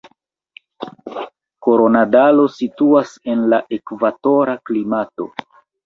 Koronadalo situas en la ekvatora klimato.